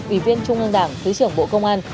ủy viên trung ương đảng thứ trưởng bộ công an